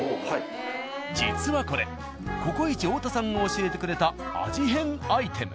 実はこれ「ココイチ」太田さんが教えてくれた味変アイテム。